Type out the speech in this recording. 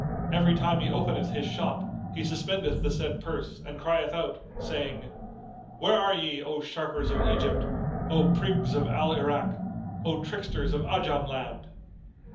Every time he openeth his shop he suspendeth the said purse and crieth out, saying, 'Where are ye, O sharpers of Egypt, O prigs of Al Irak, O tricksters of Ajam land?